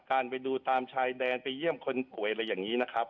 ไปดูตามชายแดนไปเยี่ยมคนป่วยอะไรอย่างนี้นะครับ